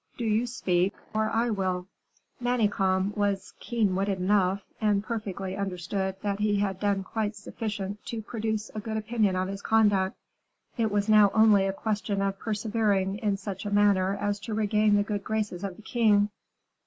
Do you speak; or I will." Manicamp was keen witted enough, and perfectly understood that he had done quite sufficient to produce a good opinion of his conduct; it was now only a question of persevering in such a manner as to regain the good graces of the king.